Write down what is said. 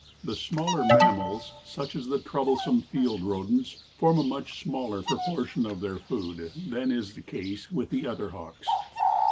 The smaller mammals, such as the troublesome field rodents, form a much smaller proportion of their food than is the case with the other hawks.